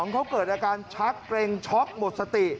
เขาเกิดอาการชักเกร็งช็อกหมดสติ